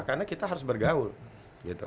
karena kita harus bergaul gitu